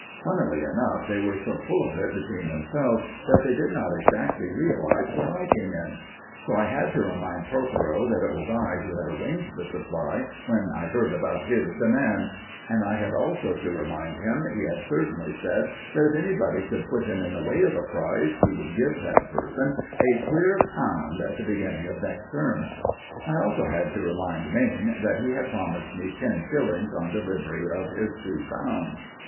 Funnily enough, they were so full of it between themselves that they did not exactly realize where I came in; so I had to remind Protheroe that it was I who had arranged the supply when I heard about his demand; and I had also to remind him he had certainly said that if anybody could put him in the way of a prize, he would give that person a clear pound at the beginning of next term. I also had to remind Mayne that he had promised me ten shillings on delivery of his two pounds.